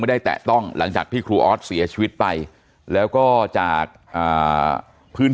ไม่ได้แตะต้องหลังจากพิครูอฟเสียชีวิตไปแล้วก็จากพื้น